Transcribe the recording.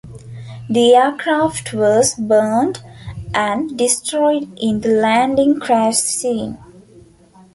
The aircraft was burned and destroyed in the landing crash scene.